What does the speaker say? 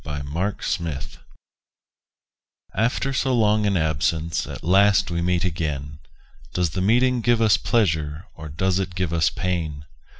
THE MEETING After so long an absence At last we meet again: Does the meeting give us pleasure, Or does it give us pain?